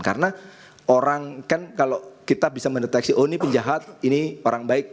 karena orang kan kalau kita bisa mendeteksi oh ini penjahat ini orang baik